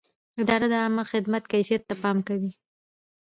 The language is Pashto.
اداره د عامه خدمت کیفیت ته پام کوي.